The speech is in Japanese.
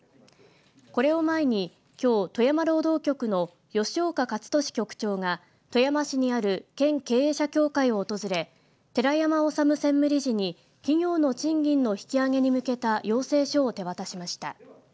これを前に、きょう富山労働局の吉岡勝利局長が富山市にある県経営者協会を訪れ寺山収専務理事に企業の賃金の引き上げに向けた要請書を手渡しました。